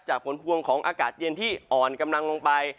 ผลพวงของอากาศเย็นที่อ่อนกำลังลงไป